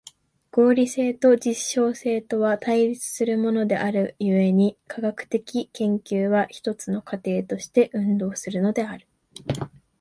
合理性と実証性とは対立するものである故に、科学的研究は一つの過程として運動するのである。